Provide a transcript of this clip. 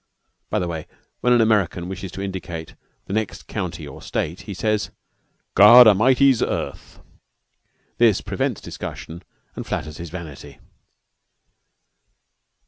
By the way, when an American wishes to indicate the next country or state, he says, "God A'mighty's earth." This prevents discussion and flatters his vanity.